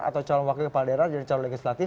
atau calon wakil kepala daerah jadi calon legislatif